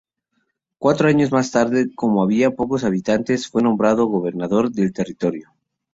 Cuatro años más tarde, como había pocos habitantes, fue nombrado Gobernador del Territorio.